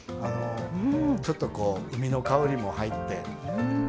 ちょっと海の香りも入って。